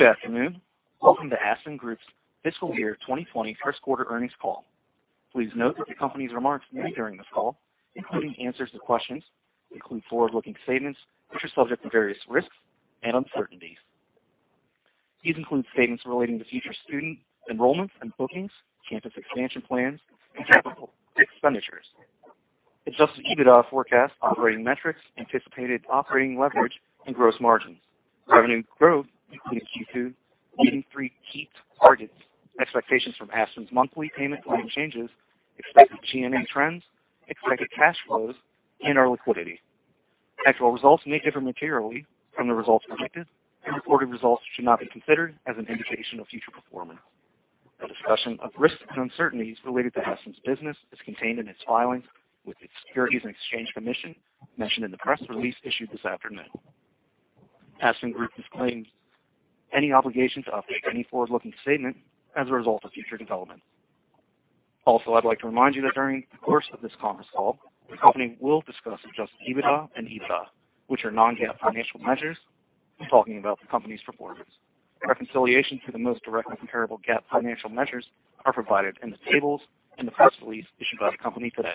Good afternoon. Welcome to Aspen Group's Fiscal Year 2020 first quarter earnings call. Please note that the company's remarks made during this call, including answers to questions, include forward-looking statements which are subject to various risks and uncertainties. These include statements relating to future student enrollments and bookings, campus expansion plans, and capital expenditures. Adjusted EBITDA forecast, operating metrics, anticipated operating leverage and gross margins, revenue growth, including Q2, leading three key targets, expectations from Aspen's monthly payment plan changes, expected G&A trends, expected cash flows, and our liquidity. Actual results may differ materially from the results predicted. Reported results should not be considered as an indication of future performance. A discussion of risks and uncertainties related to Aspen's business is contained in its filings with the Securities and Exchange Commission mentioned in the press release issued this afternoon. Aspen Group disclaims any obligation to update any forward-looking statement as a result of future developments. Also, I'd like to remind you that during the course of this conference call, the company will discuss adjusted EBITDA and EBITDA, which are non-GAAP financial measures, when talking about the company's performance. Reconciliation to the most directly comparable GAAP financial measures are provided in the tables in the press release issued by the company today.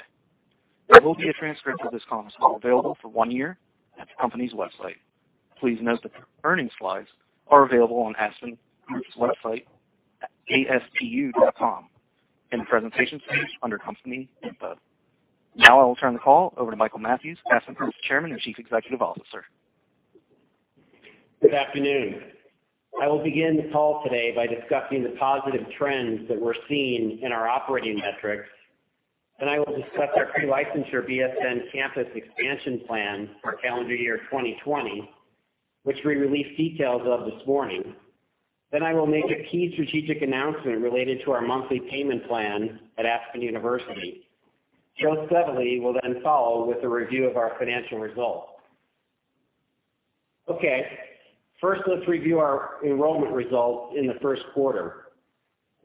There will be a transcript of this conference call available for one year at the company's website. Please note that the earning slides are available on Aspen Group's website at aspu.com, in the presentations page under company info. Now I will turn the call over to Michael Mathews, Aspen Group's Chairman and Chief Executive Officer. Good afternoon. I will begin the call today by discussing the positive trends that we're seeing in our operating metrics. I will discuss our pre-licensure BSN campus expansion plan for calendar year 2020, which we released details of this morning. I will make a key strategic announcement related to our monthly payment plan at Aspen University. Joe Sevely will then follow with a review of our financial results. Okay. First, let's review our enrollment results in the first quarter.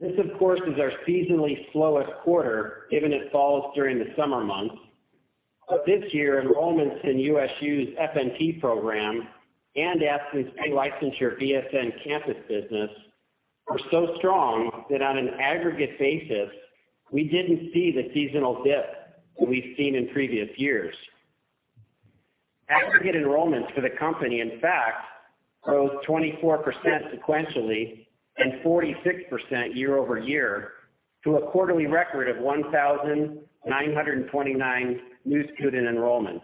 This, of course, is our seasonally slowest quarter, given it falls during the summer months. This year, enrollments in USU's FNP program and Aspen's pre-licensure BSN campus business were so strong that on an aggregate basis, we didn't see the seasonal dip that we've seen in previous years. Aggregate enrollments for the company, in fact, rose 24% sequentially and 46% year-over-year to a quarterly record of 1,929 new student enrollments.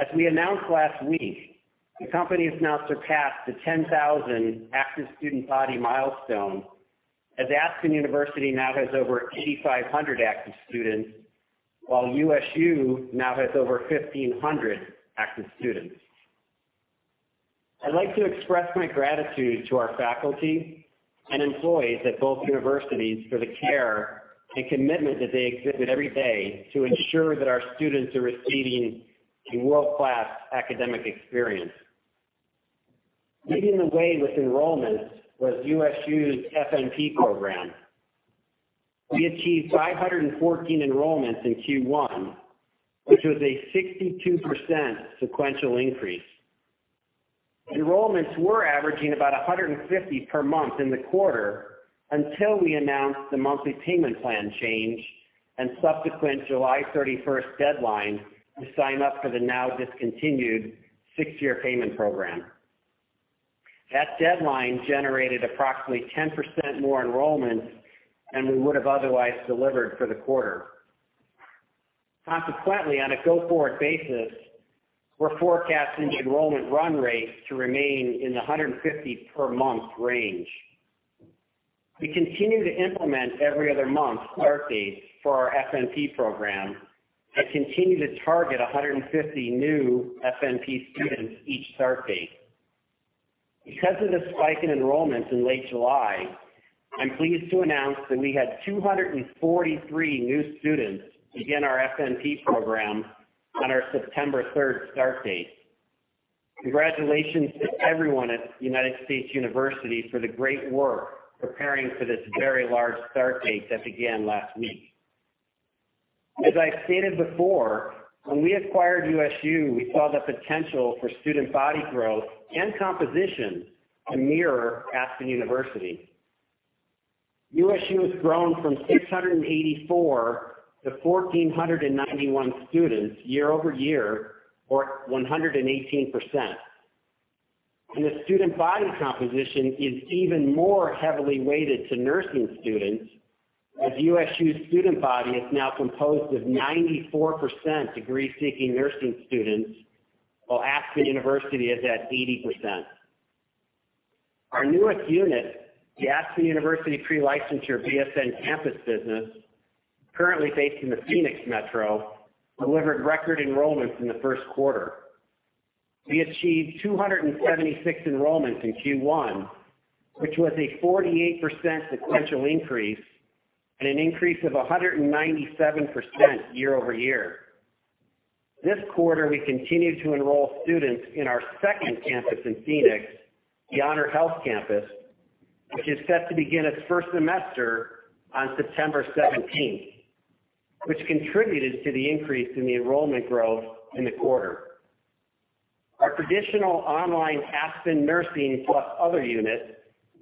As we announced last week, the company has now surpassed the 10,000 active student body milestone, as Aspen University now has over 8,500 active students, while USU now has over 1,500 active students. I'd like to express my gratitude to our faculty and employees at both universities for the care and commitment that they exhibit every day to ensure that our students are receiving a world-class academic experience. Leading the way with enrollments was USU's FNP Program. We achieved 514 enrollments in Q1, which was a 62% sequential increase. Enrollments were averaging about 150 per month in the quarter until we announced the monthly payment plan change and subsequent July 31st deadline to sign up for the now discontinued six-year payment program. That deadline generated approximately 10% more enrollments than we would've otherwise delivered for the quarter. Consequently, on a go-forward basis, we're forecasting enrollment run rates to remain in the 150 per month range. We continue to implement every other month start dates for our FNP program and continue to target 150 new FNP students each start date. Because of the spike in enrollments in late July, I'm pleased to announce that we had 243 new students begin our FNP program on our September 3rd start date. Congratulations to everyone at United States University for the great work preparing for this very large start date that began last week. As I've stated before, when we acquired USU, we saw the potential for student body growth and composition to mirror Aspen University. USU has grown from 684 to 1,491 students year-over-year, or 118%. The student body composition is even more heavily weighted to nursing students, as USU's student body is now composed of 94% degree-seeking nursing students, while Aspen University is at 80%. Our newest unit, the Aspen University Pre-Licensure BSN campus business, currently based in the Phoenix Metro, delivered record enrollments in the first quarter. We achieved 276 enrollments in Q1, which was a 48% sequential increase and an increase of 197% year-over-year. This quarter, we continued to enroll students in our second campus in Phoenix, the HonorHealth Campus, which is set to begin its first semester on September 17th. This contributed to the increase in the enrollment growth in the quarter. Our traditional online Aspen Nursing plus other unit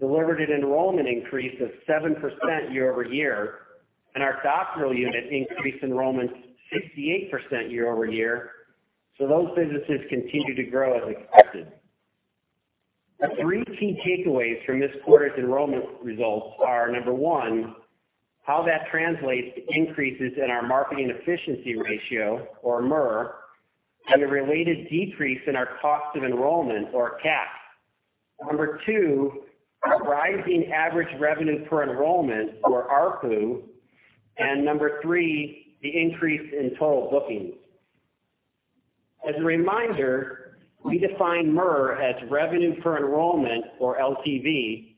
delivered an enrollment increase of 7% year-over-year, and our doctoral unit increased enrollment 68% year-over-year. Those businesses continue to grow as expected. The three key takeaways from this quarter's enrollment results are, number one, how that translates to increases in our marketing efficiency ratio, or MER, and the related decrease in our cost of enrollment, or COE. Number two, rising average revenue per enrollment, or ARPU. Number three, the increase in total bookings. As a reminder, we define MER as revenue per enrollment or LTV,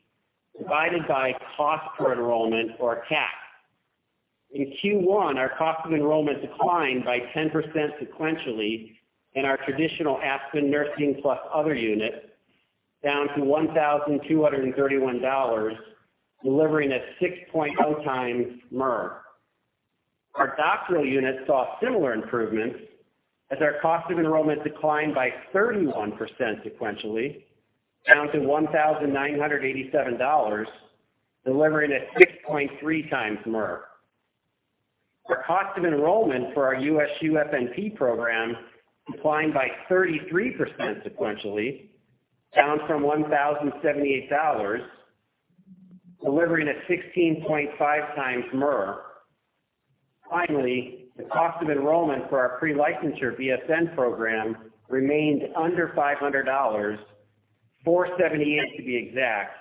divided by cost per enrollment or COE. In Q1, our cost of enrollment declined by 10% sequentially in our traditional Aspen Nursing plus other unit, down to $1,231, delivering a 6.0 times MER. Our doctoral unit saw similar improvements as our cost of enrollment declined by 31% sequentially, down to $1,987, delivering a 6.3 times MER. Our cost of enrollment for our USU FNP program declined by 33% sequentially, down from $1,078, delivering a 16.5 times MER. Finally, the cost of enrollment for our pre-licensure BSN program remained under $500, $478 to be exact,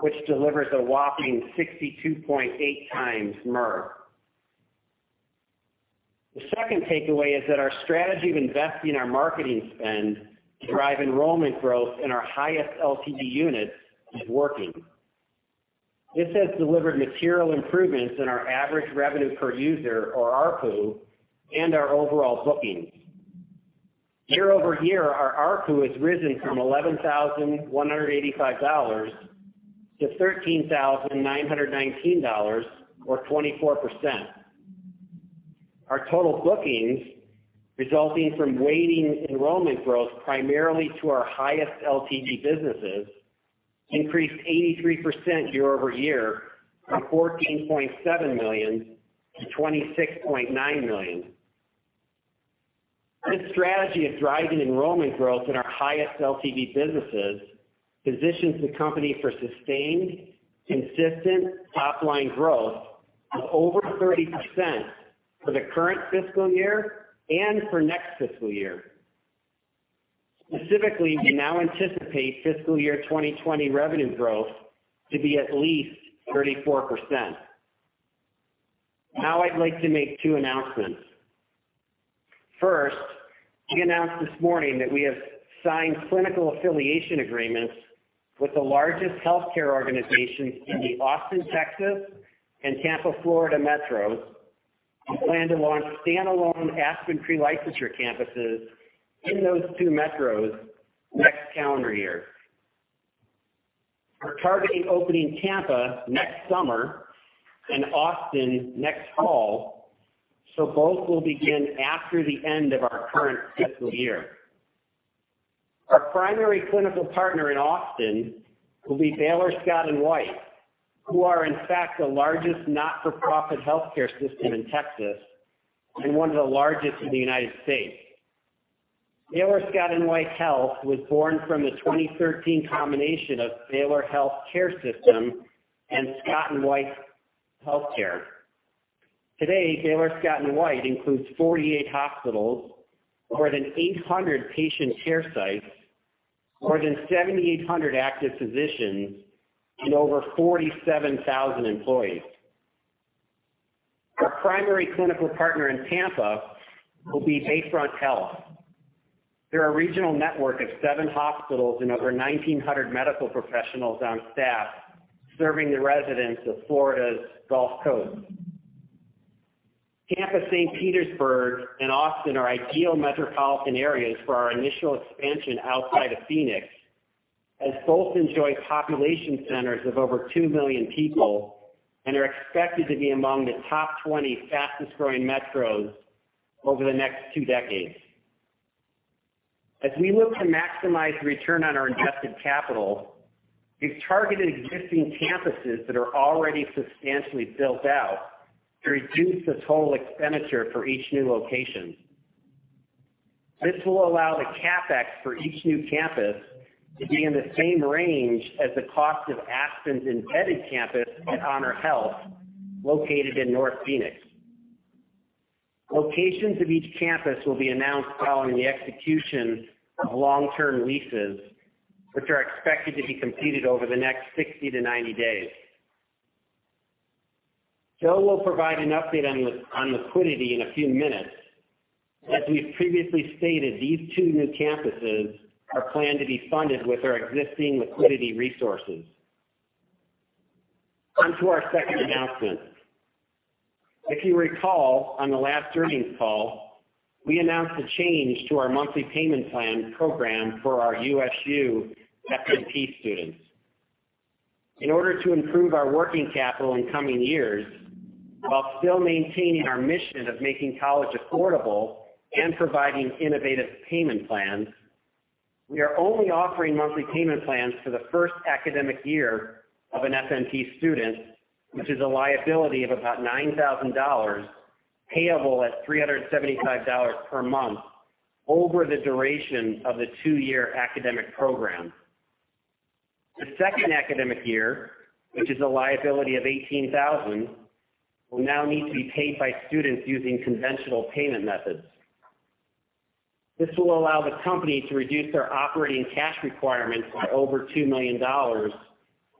which delivers a whopping 62.8x MER. The second takeaway is that our strategy of investing our marketing spend to drive enrollment growth in our highest LTV units is working. This has delivered material improvements in our average revenue per user or ARPU, and our overall bookings. Year-over-year, our ARPU has risen from $11,185 to $13,919, or 24%. Our total bookings, resulting from waning enrollment growth primarily to our highest LTV businesses, increased 83% year-over-year, from $14.7 million to $26.9 million. This strategy of driving enrollment growth in our highest LTV businesses positions the company for sustained, consistent top-line growth of over 30% for the current fiscal year and for next fiscal year. Specifically, we now anticipate fiscal year 2020 revenue growth to be at least 34%. Now I'd like to make two announcements. First, we announced this morning that we have signed clinical affiliation agreements with the largest healthcare organizations in the Austin, Texas, and Tampa, Florida metros. We plan to launch stand-alone Aspen pre-licensure campuses in those two metros next calendar year. We're targeting opening Tampa next summer and Austin next fall, so both will begin after the end of our current fiscal year. Our primary clinical partner in Austin will be Baylor Scott & White, who are in fact the largest not-for-profit healthcare system in Texas and one of the largest in the United States. Baylor Scott & White Health was born from the 2013 combination of Baylor Health Care System and Scott & White Healthcare. Today, Baylor Scott & White includes 48 hospitals, more than 800 patient care sites, more than 7,800 active physicians, and over 47,000 employees. Our primary clinical partner in Tampa will be Bayfront Health. They're a regional network of 7 hospitals and over 1,900 medical professionals on staff serving the residents of Florida's Gulf Coast. Tampa, St. Petersburg and Austin are ideal metropolitan areas for our initial expansion outside of Phoenix, as both enjoy population centers of over 2 million people and are expected to be among the top 20 fastest-growing metros over the next 2 decades. As we look to maximize return on our invested capital, we've targeted existing campuses that are already substantially built out to reduce the total expenditure for each new location. This will allow the CapEx for each new campus to be in the same range as the cost of Aspen's embedded campus at HonorHealth, located in North Phoenix. Locations of each campus will be announced following the execution of long-term leases, which are expected to be completed over the next 60-90 days. Joe will provide an update on liquidity in a few minutes. As we've previously stated, these two new campuses are planned to be funded with our existing liquidity resources. On to our second announcement. If you recall, on the last earnings call, we announced a change to our monthly payment plan program for our USU FNP students in order to improve our working capital in coming years, while still maintaining our mission of making college affordable and providing innovative payment plans, we are only offering monthly payment plans for the first academic year of an FNP student, which is a liability of about $9,000, payable at $375 per month over the duration of the two-year academic program. The second academic year, which is a liability of $18,000, will now need to be paid by students using conventional payment methods. This will allow the company to reduce their operating cash requirements by over $2 million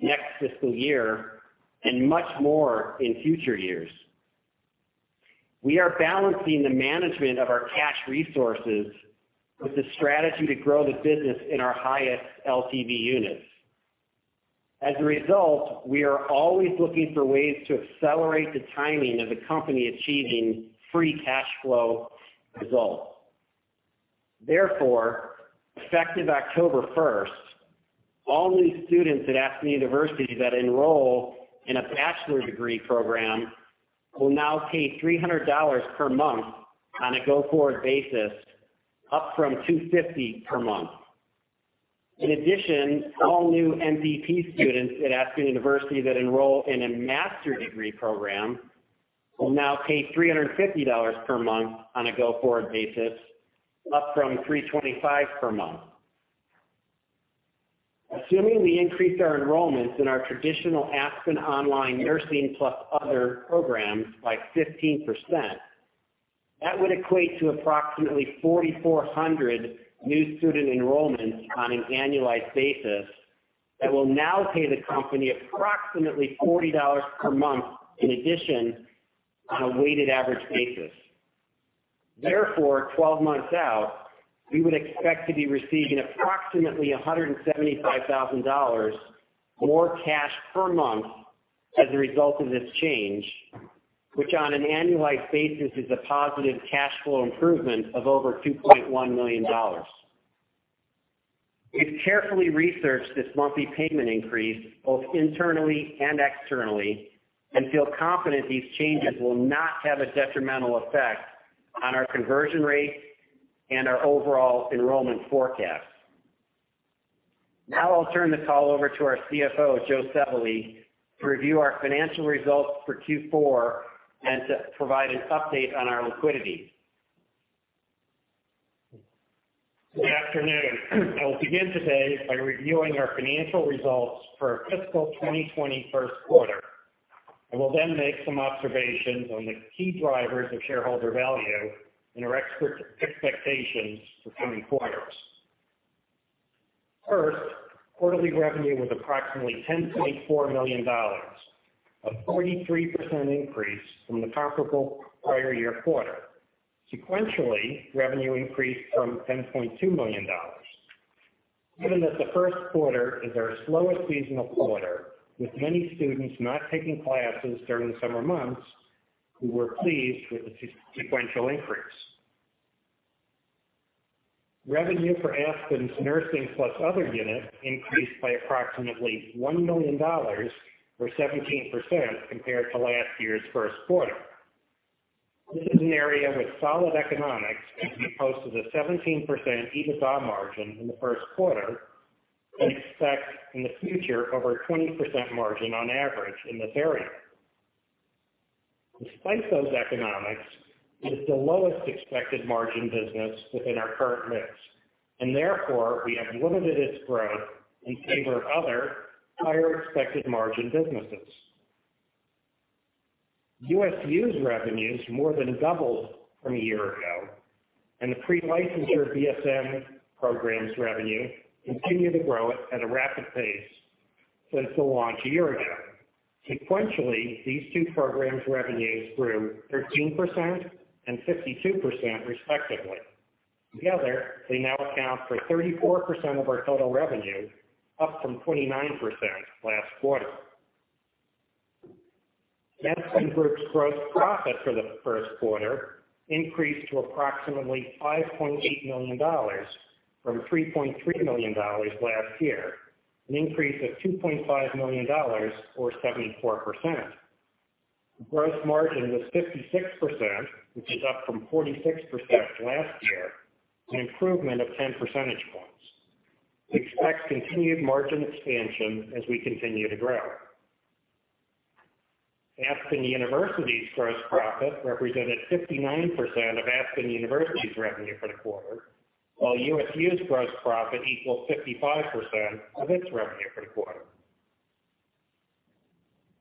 next fiscal year and much more in future years. We are balancing the management of our cash resources with the strategy to grow the business in our highest LTV units. As a result, we are always looking for ways to accelerate the timing of the company achieving free cash flow results. Effective October 1st, all new students at Aspen University that enroll in a bachelor's degree program will now pay $300 per month on a go-forward basis, up from $250 per month. In addition, all new MVP students at Aspen University that enroll in a master's degree program will now pay $350 per month on a go-forward basis, up from $325 per month. Assuming we increase our enrollments in our traditional Aspen Online Nursing plus other programs by 15%, that would equate to approximately 4,400 new student enrollments on an annualized basis that will now pay the company approximately $40 per month in addition on a weighted average basis. Therefore, 12 months out, we would expect to be receiving approximately $175,000 more cash per month as a result of this change, which on an annualized basis, is a positive cash flow improvement of over $2.1 million. We've carefully researched this monthly payment increase, both internally and externally, and feel confident these changes will not have a detrimental effect on our conversion rates and our overall enrollment forecasts. Now I'll turn the call over to our CFO, Joseph Sevely, to review our financial results for Q4 and to provide an update on our liquidity. Good afternoon. I will begin today by reviewing our financial results for our fiscal 2020 first quarter. I will then make some observations on the key drivers of shareholder value and our expectations for coming quarters. First, quarterly revenue was approximately $10.4 million, a 43% increase from the comparable prior year quarter. Sequentially, revenue increased from $10.2 million. Given that the first quarter is our slowest seasonal quarter, with many students not taking classes during the summer months, we were pleased with the sequential increase. Revenue for Aspen's Nursing plus other unit increased by approximately $1 million, or 17%, compared to last year's first quarter. This is an area with solid economics as we posted a 17% EBITDA margin in the first quarter and expect in the future over a 20% margin on average in this area. Despite those economics, it is the lowest expected margin business within our current mix, and therefore, we have limited its growth in favor of other higher expected margin businesses. USU's revenues more than doubled from a year ago, and the pre-licensure BSN program's revenue continued to grow at a rapid pace since the launch a year ago. Sequentially, these two programs' revenues grew 13% and 52% respectively. Together, they now account for 34% of our total revenue, up from 29% last quarter. Aspen Group's gross profit for the first quarter increased to approximately $5.8 million from $3.3 million last year, an increase of $2.5 million, or 74%. Gross margin was 56%, which is up from 46% last year, an improvement of 10 percentage points. We expect continued margin expansion as we continue to grow. Aspen University's gross profit represented 59% of Aspen University's revenue for the quarter, while USU's gross profit equals 55% of its revenue for the quarter.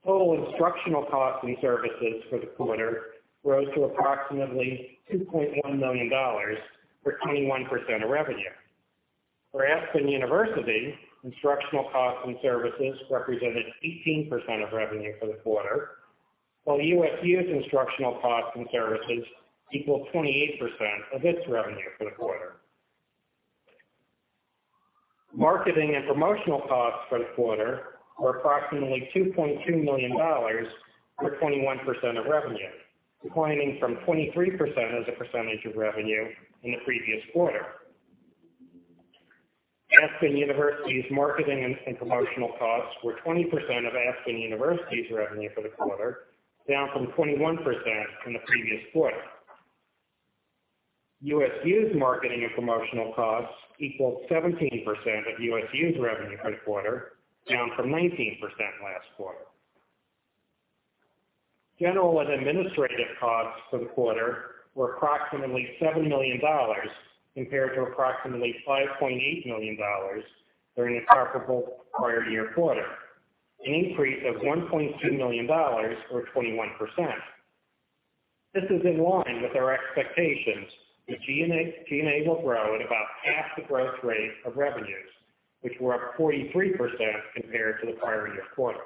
Total instructional costs and services for the quarter rose to approximately $2.1 million, or 21% of revenue. For Aspen University, instructional costs and services represented 18% of revenue for the quarter, while USU's instructional costs and services equaled 28% of its revenue for the quarter. Marketing and promotional costs for the quarter were approximately $2.2 million, or 21% of revenue, declining from 23% as a percentage of revenue in the previous quarter. Aspen University's marketing and promotional costs were 20% of Aspen University's revenue for the quarter, down from 21% in the previous quarter. USU's marketing and promotional costs equaled 17% of USU's revenue for the quarter, down from 19% last quarter. General and administrative costs for the quarter were approximately $7 million, compared to approximately $5.8 million during the comparable prior year quarter, an increase of $1.2 million or 21%. This is in line with our expectations that G&A will grow at about half the growth rate of revenues, which were up 43% compared to the prior year quarter.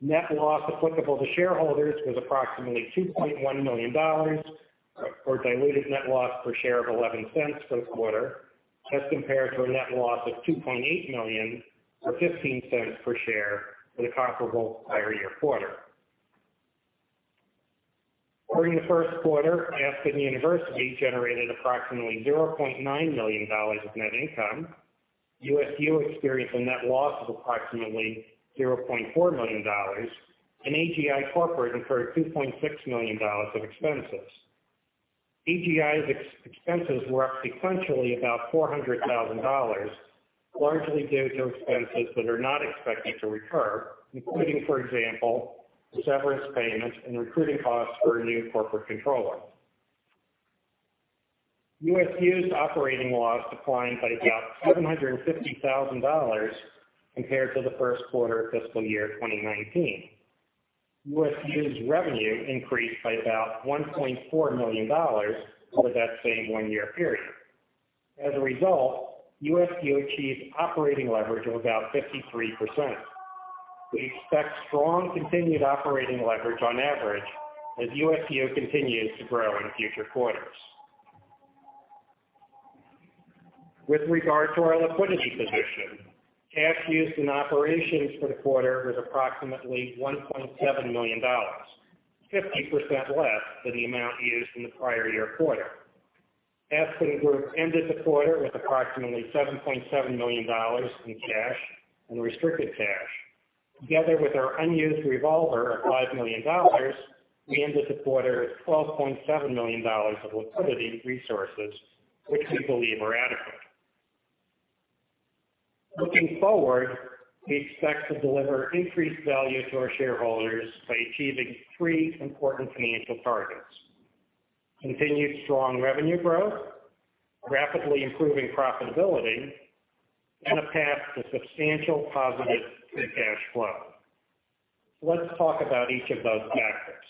Net loss applicable to shareholders was approximately $2.1 million, or diluted net loss per share of $0.11 for the quarter, as compared to a net loss of $2.8 million or $0.15 per share for the comparable prior year quarter. During the first quarter, Aspen University generated approximately $0.9 million of net income. USU experienced a net loss of approximately $0.4 million, and AGI Corporate incurred $2.6 million of expenses. AGI's expenses were up sequentially about $400,000, largely due to expenses that are not expected to recur, including, for example, severance payments and recruiting costs for a new corporate controller. USU's operating loss declined by about $750,000 compared to the first quarter of fiscal year 2019. USU's revenue increased by about $1.4 million over that same one-year period. As a result, USU achieved operating leverage of about 53%. We expect strong continued operating leverage on average as USU continues to grow in future quarters. With regard to our liquidity position, cash used in operations for the quarter was approximately $1.7 million, 50% less than the amount used in the prior year quarter. Aspen Group ended the quarter with approximately $7.7 million in cash and restricted cash. Together with our unused revolver of $5 million, we ended the quarter with $12.7 million of liquidity resources, which we believe are adequate. Looking forward, we expect to deliver increased value to our shareholders by achieving three important financial targets: continued strong revenue growth, rapidly improving profitability, and a path to substantial positive free cash flow. Let's talk about each of those factors.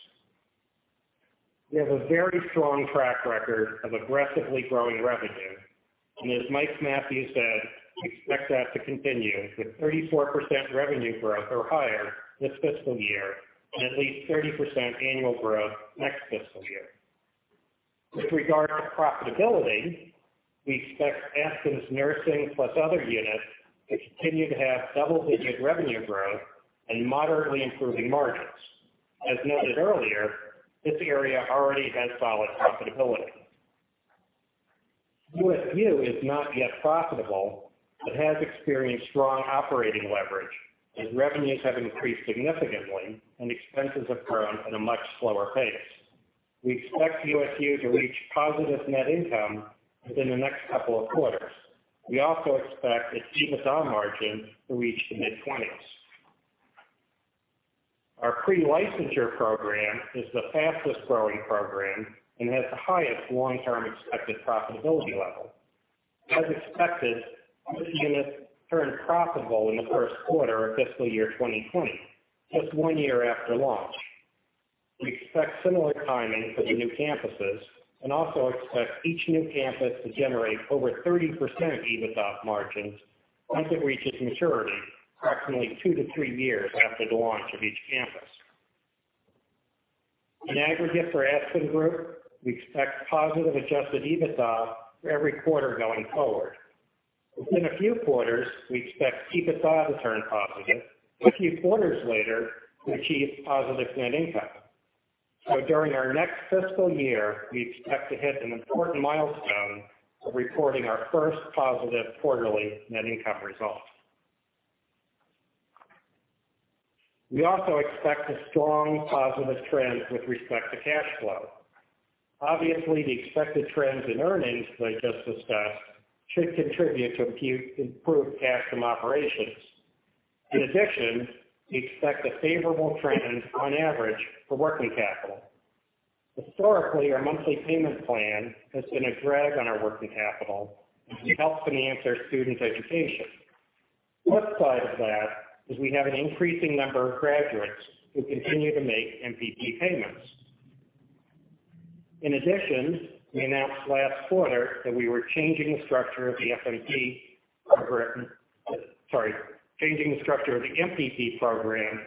We have a very strong track record of aggressively growing revenue, as Michael Mathews said, we expect that to continue with 34% revenue growth or higher this fiscal year and at least 30% annual growth next fiscal year. With regard to profitability, we expect Aspen's nursing plus other units to continue to have double-digit revenue growth and moderately improving margins. As noted earlier, this area already has solid profitability. USU is not yet profitable but has experienced strong operating leverage as revenues have increased significantly and expenses have grown at a much slower pace. We expect USU to reach positive net income within the next couple of quarters. We also expect its EBITDA margin to reach the mid-20s. Our pre-licensure program is the fastest-growing program and has the highest long-term expected profitability level. As expected, this unit turned profitable in the first quarter of fiscal year 2020, just one year after launch. We expect similar timing for the new campuses and also expect each new campus to generate over 30% EBITDA margins once it reaches maturity approximately two to three years after the launch of each campus. In aggregate for Aspen Group, we expect positive adjusted EBITDA for every quarter going forward. Within a few quarters, we expect EBITDA to turn positive. A few quarters later, we achieve positive net income. During our next fiscal year, we expect to hit an important milestone of reporting our first positive quarterly net income result. We also expect a strong positive trend with respect to cash flow. Obviously, the expected trends in earnings that I just discussed should contribute to improved cash from operations. We expect a favorable trend on average for working capital. Historically, our monthly payment plan has been a drag on our working capital as we help finance our students' education. The flip side of that is we have an increasing number of graduates who continue to make MPP payments. We announced last quarter that we were changing the structure of the MPP program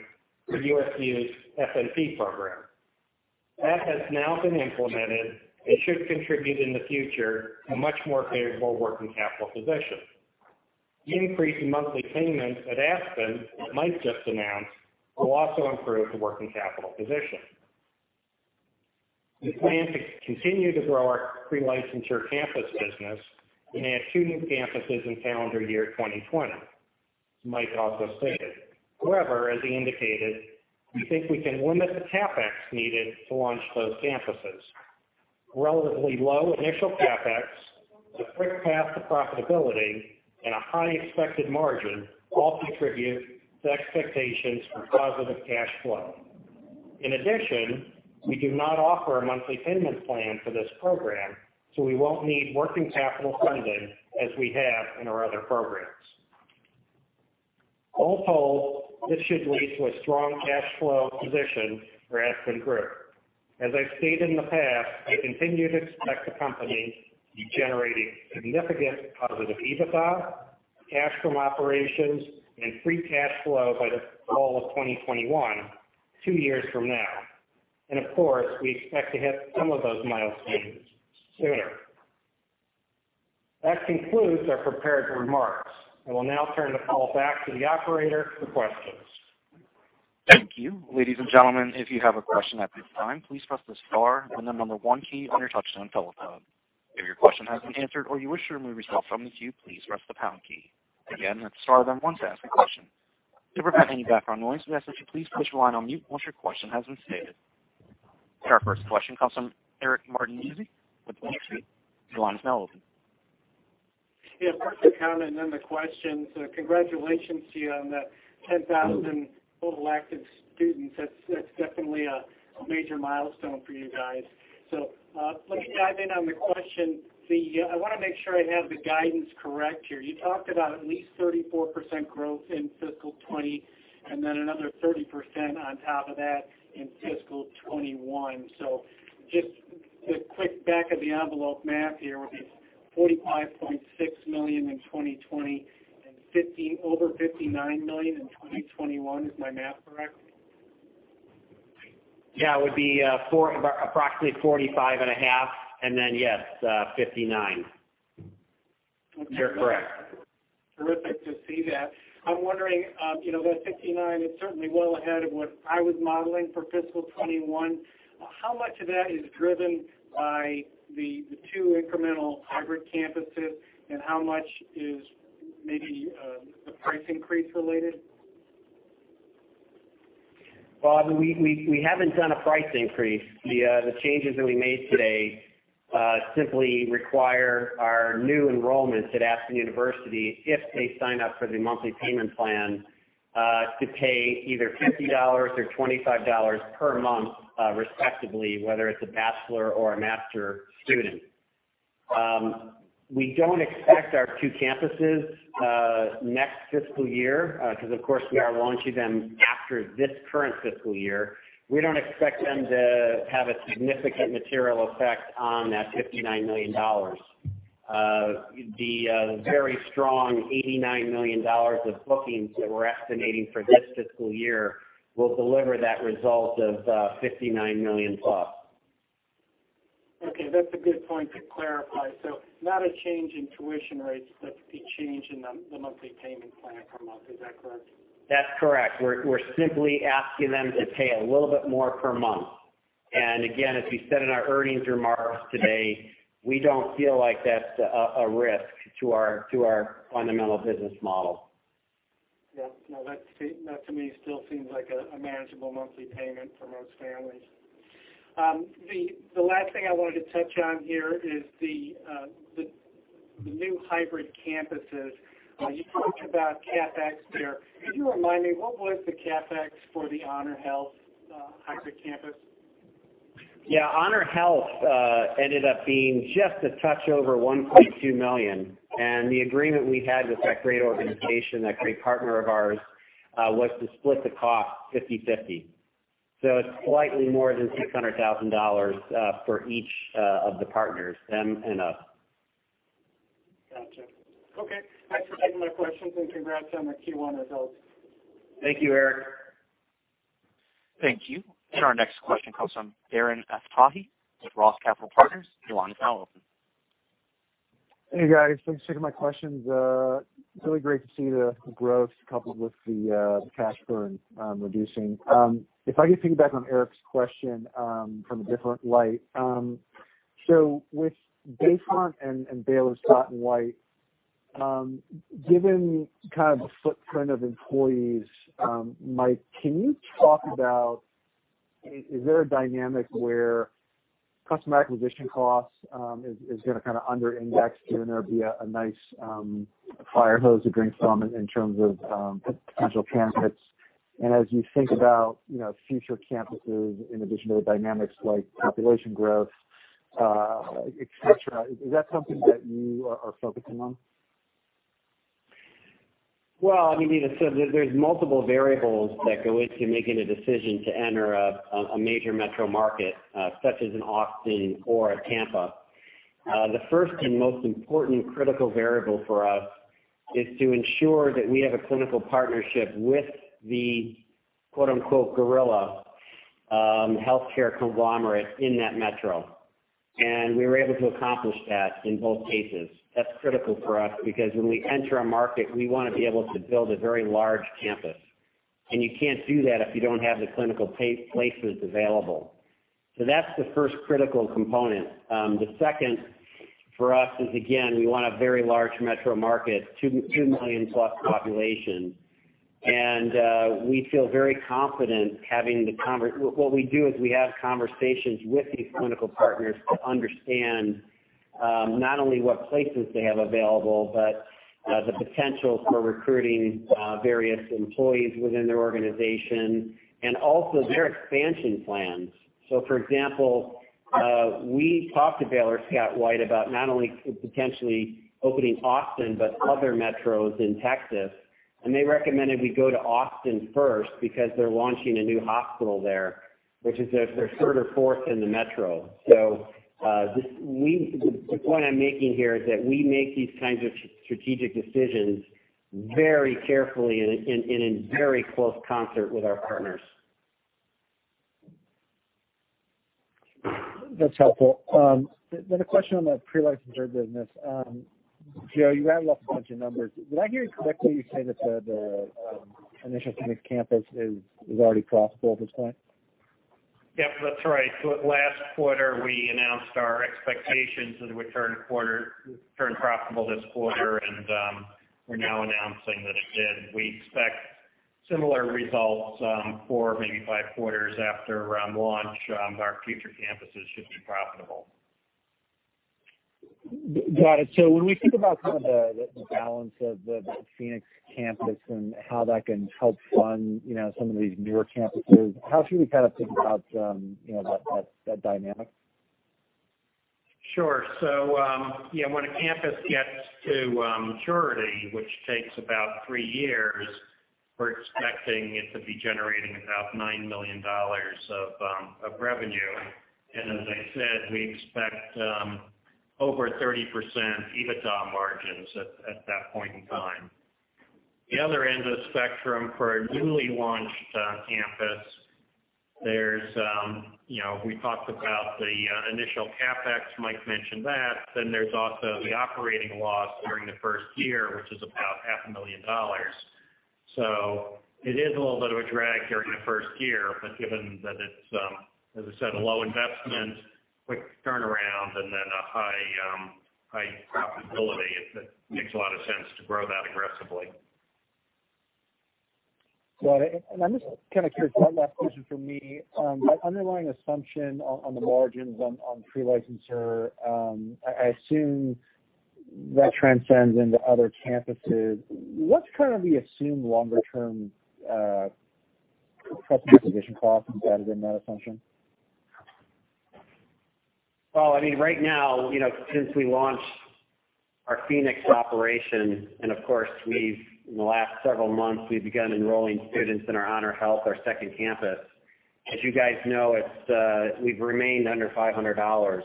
for USU's FNP program. That has now been implemented. It should contribute in the future a much more favorable working capital position. The increase in monthly payments at Aspen Group that Mike just announced will also improve the working capital position. We plan to continue to grow our pre-licensure campus business and add two new campuses in calendar year 2020, as Mike also stated. As he indicated, we think we can limit the CapEx needed to launch those campuses. Relatively low initial CapEx, the quick path to profitability, and a high expected margin all contribute to expectations for positive cash flow. We do not offer a monthly payment plan for this program, we won't need working capital funding as we have in our other programs. All told, this should lead to a strong cash flow position for Aspen Group. As I've stated in the past, I continue to expect the company to be generating significant positive EBITDA, cash from operations, and free cash flow by the fall of 2021, two years from now. Of course, we expect to hit some of those milestones sooner. That concludes our prepared remarks. I will now turn the call back to the operator for questions. Thank you. Ladies and gentlemen, if you have a question at this time, please press the star and the number one key on your touchtone telephone. If your question has been answered or you wish to remove yourself from the queue, please press the pound key. Again, that's star then one to ask a question. If we have any background noise, we ask that you please push line on mute once your question has been stated. Our first question comes from Eric Martinuzzi with Lake Street Capital Market. Your line is now open. Yeah, first the comment, then the question. Congratulations to you on the 10,000 total active students. That's definitely a major milestone for you guys. Let me dive in on the question. I want to make sure I have the guidance correct here. You talked about at least 34% growth in fiscal 2020, and then another 30% on top of that in fiscal 2021. Just the quick back of the envelope math here would be $45.6 million in 2020 and over $59 million in 2021. Is my math correct? Yeah, it would be approximately 45 and a half. Then, yes, 59. You're correct. Terrific to see that. I'm wondering, that 59 is certainly well ahead of what I was modeling for fiscal 2021. How much of that is driven by the two incremental hybrid campuses, and how much is maybe the price increase related? Well, we haven't done a price increase. The changes that we made today simply require our new enrollments at Aspen University, if they sign up for the monthly payment plan, to pay either $50 or $25 per month respectively, whether it's a bachelor or a master student. We don't expect our two campuses, next fiscal year, because of course, we are launching them after this current fiscal year. We don't expect them to have a significant material effect on that $59 million. The very strong $89 million of bookings that we're estimating for this fiscal year will deliver that result of $59 million plus. Okay. That's a good point to clarify. Not a change in tuition rates, but the change in the monthly payment plan per month. Is that correct? That's correct. We're simply asking them to pay a little bit more per month. Again, as we said in our earnings remarks today, we don't feel like that's a risk to our fundamental business model. Yeah. No, that to me still seems like a manageable monthly payment for most families. The last thing I wanted to touch on here is the new hybrid campuses. You talked about CapEx there. Could you remind me, what was the CapEx for the HonorHealth hybrid campus? Yeah. HonorHealth ended up being just a touch over $1.2 million. The agreement we had with that great organization, that great partner of ours, was to split the cost 50/50. It's slightly more than $600,000 for each of the partners, them and us. Got you. Okay. That's it for my questions, and congrats on the Q1 results. Thank you, Eric. Thank you. Our next question comes from Darren Aftahi with ROTH Capital Partners. Your line is now open. Hey, guys. Thanks for taking my questions. Really great to see the growth coupled with the cash burn reducing. If I could piggyback on Eric's question from a different light. With Bayfront and Baylor Scott & White, given kind of the footprint of employees, Mike, can you talk about, is there a dynamic where customer acquisition costs is going to kind of under index? Is there going to be a nice fire hose to drink from in terms of potential candidates? As you think about future campuses in additional dynamics like population growth, et cetera, is that something that you are focusing on? Well, I mean, as I said, there's multiple variables that go into making a decision to enter a major metro market, such as in Austin or Tampa. The first and most important critical variable for us is to ensure that we have a clinical partnership with the "gorilla" healthcare conglomerate in that metro. We were able to accomplish that in both cases. That's critical for us because when we enter a market, we want to be able to build a very large campus. You can't do that if you don't have the clinical places available. That's the first critical component. The second for us is, again, we want a very large metro market, 2 million plus population. We feel very confident having the conversation. What we do is we have conversations with these clinical partners to understand, not only what places they have available, but the potential for recruiting various employees within their organization and also their expansion plans. For example, we talked to Baylor Scott & White about not only potentially opening Austin, but other metros in Texas, and they recommended we go to Austin first because they're launching a new hospital there, which is their third or fourth in the metro. The point I'm making here is that we make these kinds of strategic decisions very carefully and in very close concert with our partners. That's helpful. A question on the pre-licensure business. Joe, you rattled off a bunch of numbers. Did I hear you correctly? You said that the initial Phoenix campus is already profitable at this point? Yep, that's right. At last quarter, we announced our expectations that we'd turn profitable this quarter, and we're now announcing that it did. We expect similar results, four, maybe five quarters after around launch, our future campuses should be profitable. Got it. When we think about the balance of the Phoenix Campus and how that can help fund some of these newer campuses, how should we think about that dynamic? Sure. When a campus gets to maturity, which takes about three years, we're expecting it to be generating about $9 million of revenue. As I said, we expect over 30% EBITDA margins at that point in time. The other end of the spectrum for a newly launched campus, we talked about the initial CapEx, Mike mentioned that, then there's also the operating loss during the first year, which is about half a million dollars. It is a little bit of a drag during the first year, but given that it's, as I said, a low investment, quick turnaround, and then a high profitability, it makes a lot of sense to grow that aggressively. Got it. I'm just curious, one last question from me. The underlying assumption on the margins on pre-licensure, I assume that transcends into other campuses. What's the assumed longer-term customer acquisition cost embedded in that assumption? Well, right now, since we launched our Phoenix operation, of course, in the last several months, we've begun enrolling students in our HonorHealth, our second campus. As you guys know, we've remained under $500.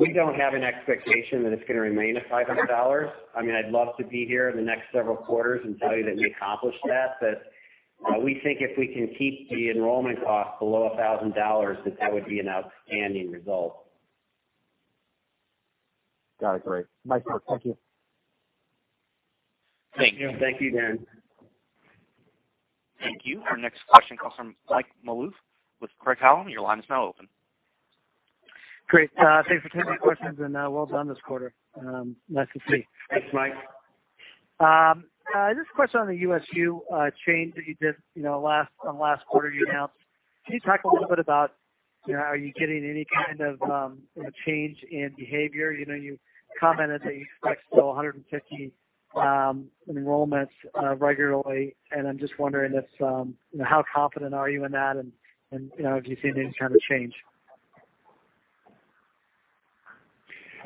We don't have an expectation that it's going to remain at $500. I'd love to be here in the next several quarters and tell you that we accomplished that. We think if we can keep the enrollment cost below $1,000, that would be an outstanding result. Got it. Great. Mike, Joe, thank you. Thank you. Thank you, Darren. Thank you. Our next question comes from Mike Maloof with Craig-Hallum. Your line is now open. Great. Thanks for taking the questions, and well done this quarter. Nice to see. Thanks, Mike. Just a question on the USU change that you did, on last quarter you announced. Can you talk a little bit about, are you getting any kind of change in behavior? You commented that you expect to have 150 enrollments regularly, and I'm just wondering how confident are you in that and, do you see any kind of change?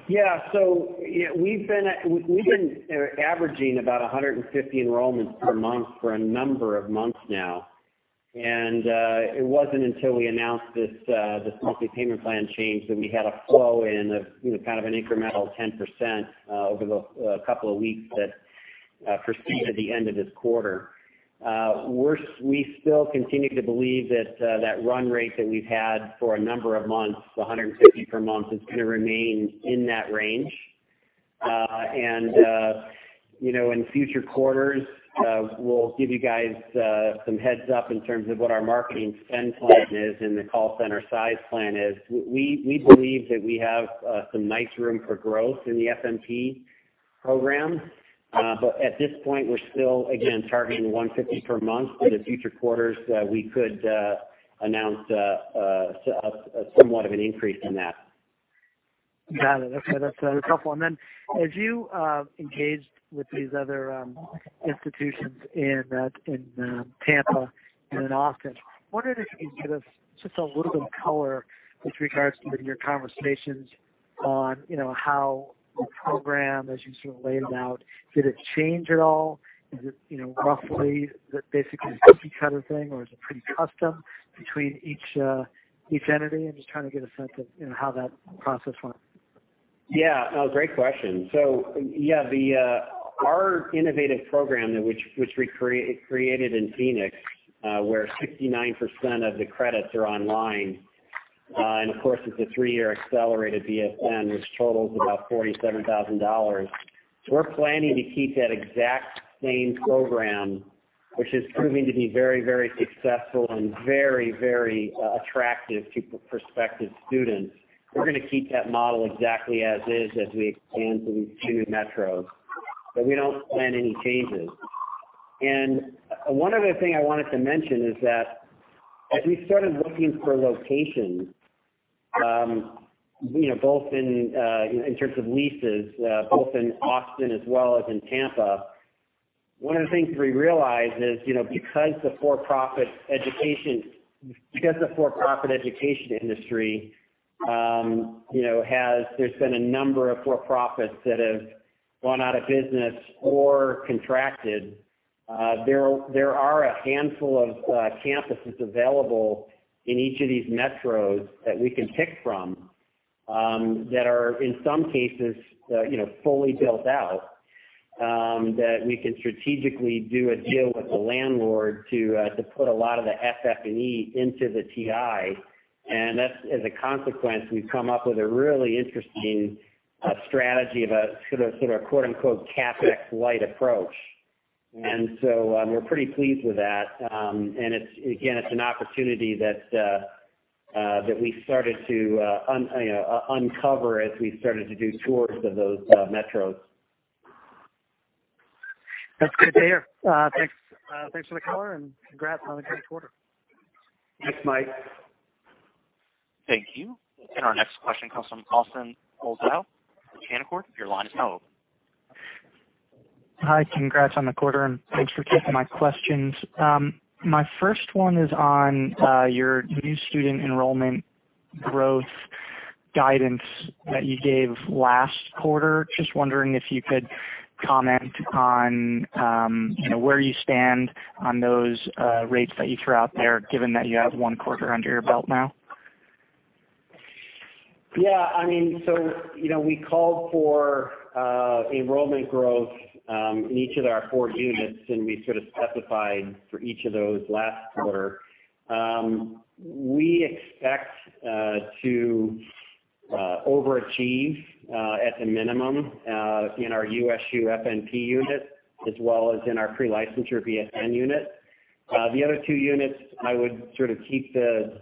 Yeah. We've been averaging about 150 enrollments per month for a number of months now. It wasn't until we announced this monthly payment plan change that we had a flow in of kind of an incremental 10% over the couple of weeks that proceeded the end of this quarter. We still continue to believe that run rate that we've had for a number of months, the 150 per month, is going to remain in that range. In future quarters, we'll give you guys some heads-up in terms of what our marketing spend plan is and the call center size plan is. We believe that we have some nice room for growth in the FNP program. At this point, we're still, again, targeting 150 per month. In the future quarters, we could announce somewhat of an increase in that. Got it. Okay. That's helpful. Then as you engaged with these other institutions in Tampa and in Austin, I wonder if you can give us just a little bit of color with regards to your conversations on how the program, as you sort of laid it out, did it change at all? Is it roughly, basically a cookie cutter thing, or is it pretty custom between each entity? I'm just trying to get a sense of how that process went. Yeah. No, great question. Our innovative program, which we created in Phoenix, where 69% of the credits are online, and of course, it's a three-year accelerated BSN, which totals about $47,000. We're planning to keep that exact same program, which is proving to be very successful and very attractive to prospective students. We're going to keep that model exactly as is as we expand to these two metros. We don't plan any changes. One other thing I wanted to mention is that as we started looking for locations, both in terms of leases, both in Austin as well as in Tampa, one of the things we realized is, because the for-profit education industry, there's been a number of for-profits that have gone out of business or contracted. There are a handful of campuses available in each of these metros that we can pick from, that are, in some cases, fully built out, that we can strategically do a deal with the landlord to put a lot of the FF&E into the TI. As a consequence, we've come up with a really interesting strategy of a sort of "CapEx-light approach." We're pretty pleased with that. Again, it's an opportunity that we started to uncover as we started to do tours of those metros. That's good to hear. Thanks for the color and congrats on a great quarter. Thanks, Mike. Thank you. Our next question comes from Austin Cohl. Austin, your line is now open. Hi. Congrats on the quarter, and thanks for taking my questions. My first one is on your new student enrollment growth guidance that you gave last quarter. Just wondering if you could comment on where you stand on those rates that you threw out there, given that you have one quarter under your belt now. Yeah. We called for enrollment growth in each of our four units, and we sort of specified for each of those last quarter. We expect to overachieve, at the minimum, in our USU FNP unit, as well as in our pre-licensure BSN unit. The other two units, I would sort of keep the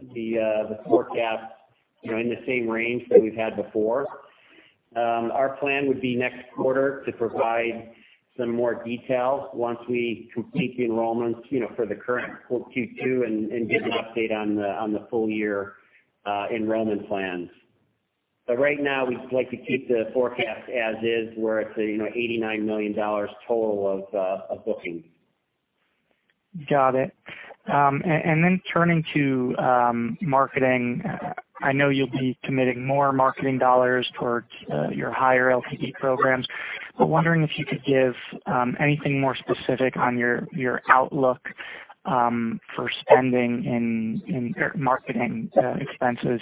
forecast in the same range that we've had before. Our plan would be next quarter to provide some more detail once we complete the enrollments for the current Q2 and give an update on the full-year enrollment plans. Right now, we'd like to keep the forecast as is, where it's $89 million total of bookings. Got it. Turning to marketing, I know you'll be committing more marketing dollars towards your higher LTV programs, but wondering if you could give anything more specific on your outlook for spending in marketing expenses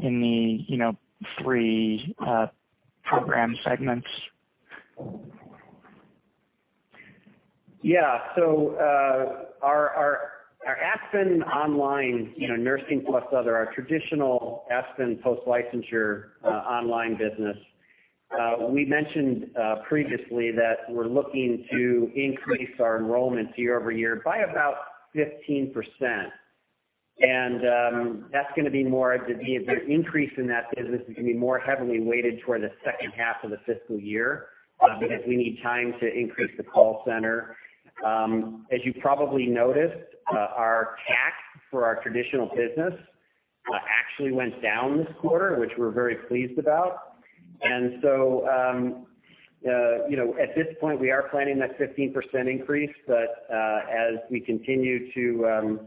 in the three program segments. Yeah. Our Aspen Online Nursing plus other, our traditional Aspen post-licensure online business, we mentioned previously that we're looking to increase our enrollments year-over-year by about 15%. That's going to be more of The increase in that business is going to be more heavily weighted toward the second half of the fiscal year, because we need time to increase the call center. As you probably noticed, our CAC for our traditional business actually went down this quarter, which we're very pleased about. At this point, we are planning that 15% increase, as we continue to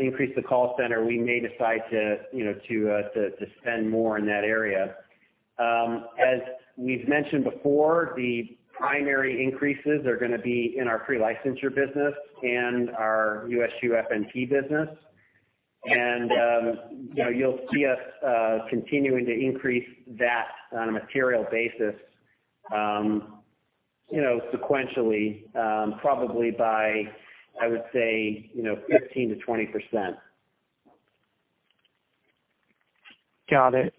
increase the call center, we may decide to spend more in that area. As we've mentioned before, the primary increases are going to be in our pre-licensure business and our USU FNP business. You'll see us continuing to increase that on a material basis sequentially, probably by, I would say, 15%-20%. Got it.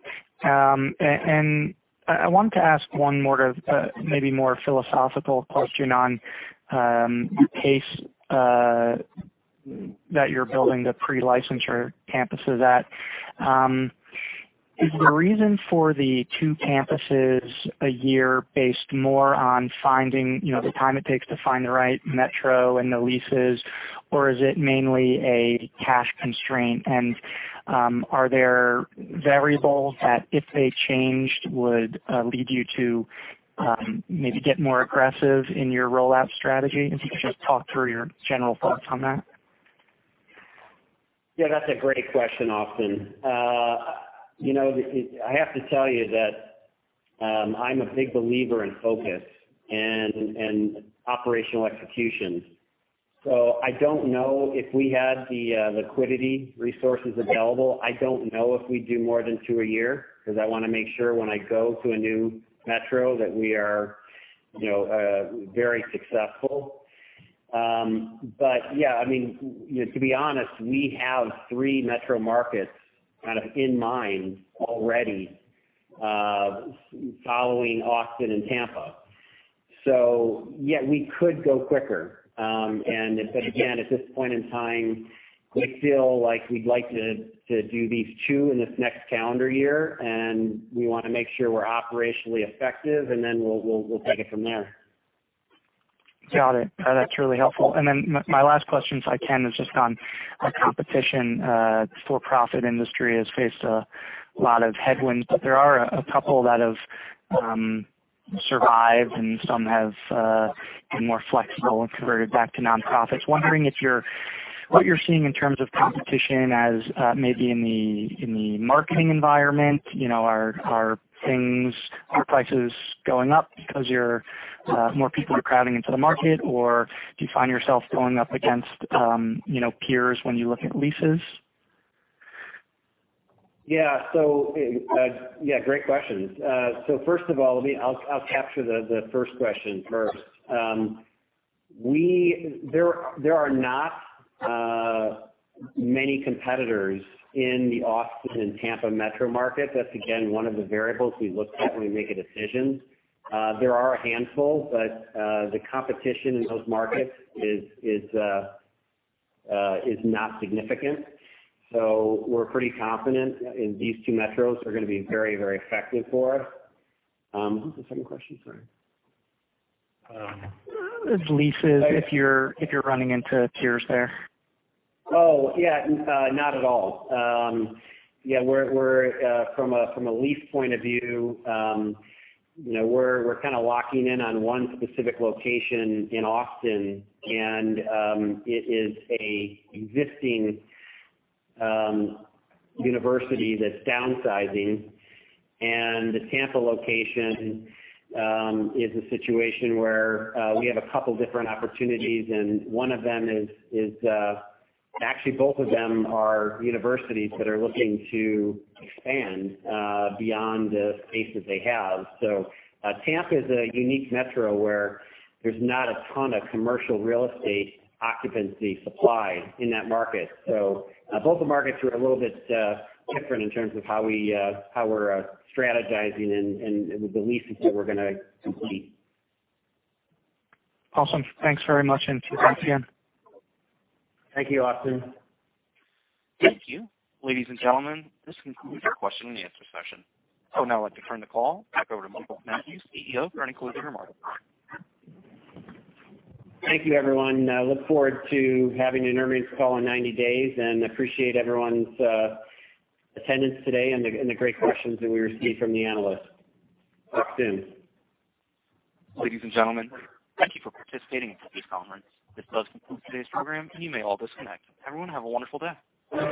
I wanted to ask one more, maybe more philosophical question on the pace that you're building the pre-licensure campuses at. Is the reason for the two campuses a year based more on the time it takes to find the right metro and the leases, or is it mainly a cash constraint? Are there variables that, if they changed, would lead you to maybe get more aggressive in your rollout strategy? If you could just talk through your general thoughts on that. Yeah, that's a great question, Austin. I have to tell you that I'm a big believer in focus and operational execution. I don't know if we had the liquidity resources available. I don't know if we'd do more than two a year, because I want to make sure when I go to a new metro that we are very successful. Yeah, to be honest, we have three metro markets kind of in mind already, following Austin and Tampa. Yeah, we could go quicker. Again, at this point in time, we feel like we'd like to do these two in this next calendar year, and we want to make sure we're operationally effective, and then we'll take it from there. Got it. That's really helpful. My last question, if I can, is just on competition. For-profit industry has faced a lot of headwinds, but there are a couple that have survived, and some have been more flexible and converted back to nonprofits. Wondering what you're seeing in terms of competition as maybe in the marketing environment, are prices going up because more people are crowding into the market? Do you find yourself going up against peers when you look at leases? Yeah. Great questions. First of all, I'll capture the first question first. There are not many competitors in the Austin and Tampa metro market. That's, again, one of the variables we look at when we make a decision. There are a handful, but the competition in those markets is not significant. We're pretty confident in these two metros are going to be very effective for us. What was the second question? Sorry. It was leases, if you're running into peers there. Oh, yeah. Not at all. From a lease point of view, we're kind of locking in on one specific location in Austin, and it is a existing university that's downsizing. The Tampa location is a situation where we have a couple different opportunities, actually, both of them are universities that are looking to expand beyond the space that they have. Tampa is a unique metro where there's not a ton of commercial real estate occupancy supply in that market. Both the markets are a little bit different in terms of how we're strategizing and the leases that we're going to complete. Awesome. Thanks very much. Talk to you again. Thank you, Austin. Thank you. Ladies and gentlemen, this concludes our question and answer session. I would now like to turn the call back over to Michael Mathews, CEO, for any closing remarks. Thank you, everyone. Look forward to having an earnings call in 90 days, and appreciate everyone's attendance today and the great questions that we received from the analysts. Talk soon. Ladies and gentlemen, thank you for participating in today's conference. This does conclude today's program, and you may all disconnect. Everyone, have a wonderful day.